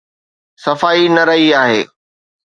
صفائي نه رهي آهي.